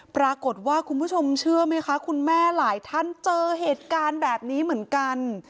คุณผู้ชมเชื่อไหมคะคุณแม่หลายท่านเจอเหตุการณ์แบบนี้เหมือนกัน